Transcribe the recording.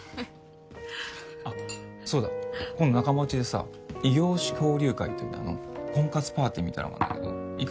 あっそうだ今度仲間内でさ異業種交流会っていう名の婚活パーティーみたいなのがあるんだけど行く？